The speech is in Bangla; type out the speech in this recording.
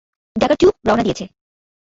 ড্যাগার টু, রওনা দিয়েছে।